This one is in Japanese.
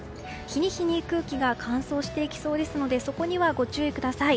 日に日に空気が乾燥していきそうですのでそこにはご注意ください。